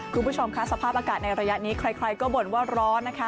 คุณผู้ชมค่ะสภาพอากาศในระยะนี้ใครก็บ่นว่าร้อนนะคะ